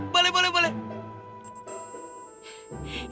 boleh boleh boleh